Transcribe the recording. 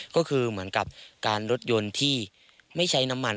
ก็คือเหมือนกับการรถยนต์ที่ไม่ใช้น้ำมัน